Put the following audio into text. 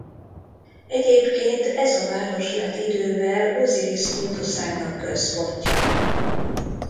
Egyébként ez a város lett idővel Ozirisz kultuszának központja.